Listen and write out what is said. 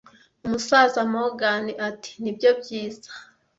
Umusaza Morgan ati: "Nibyo byiza."